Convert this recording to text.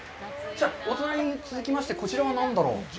お隣続きましてこちらは何だろう？